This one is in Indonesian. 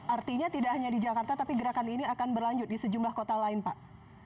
artinya tidak hanya di jakarta tapi gerakan ini akan berlanjut di sejumlah kota lain pak